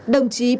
đồng chí p